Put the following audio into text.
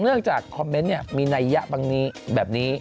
เนื่องจากคอมเมนต์นี่มีนัยยะแบบนี้